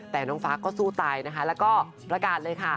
แต่น้องฟ้าก็สู้ตายนะคะแล้วก็ประกาศเลยค่ะ